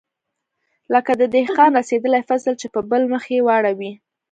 لکه د دهقان رسېدلى فصل چې په بل مخ يې واړوې.